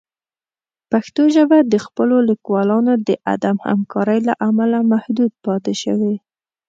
پښتو ژبه د خپلو لیکوالانو د عدم همکارۍ له امله محدود پاتې شوې.